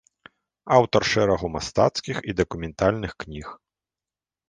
Аўтар шэрагу мастацкіх і дакументальных кніг.